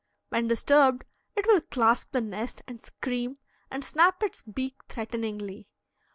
When disturbed it will clasp the nest and scream, and snap its beak threateningly.